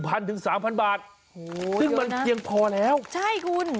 ๑๐๐๐๓๐๐๐บาทโอ้โหเยอะนะซึ่งมันเพียงพอแล้วใช่คุณ